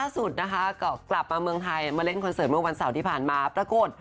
สุดนะคะก็กลับมาเมืองไทยมาเล่นคอนเสิร์ตเมื่อวันเสาร์ที่ผ่านมาปรากฏ